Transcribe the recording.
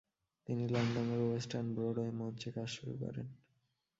তিনি লন্ডনের West End ও ব্রডওয়ে মঞ্চে কাজ শুরু করেন।